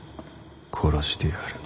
殺してやる。